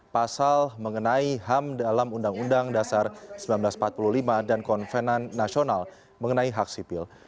pasal mengenai ham dalam undang undang dasar seribu sembilan ratus empat puluh lima dan konvenan nasional mengenai hak sipil